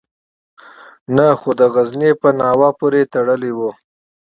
نه خو د غزني په ناوه پورې تړلی وو.